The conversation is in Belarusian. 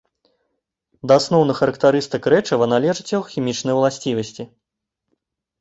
Да асноўных характарыстык рэчыва належаць яго хімічныя ўласцівасці.